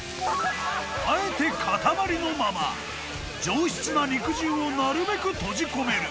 あえて塊のまま上質な肉汁をなるべく閉じ込める！